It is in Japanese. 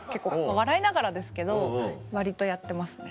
笑いながらですけど割とやってますね。